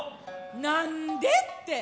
なんでって！